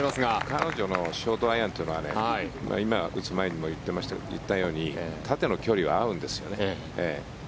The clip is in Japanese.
彼女のショートアイアンというのは今、打つ前にも言ったように縦の距離は合うんですよね。